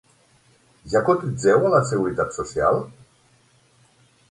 Ja cotitzeu a la seguretat social?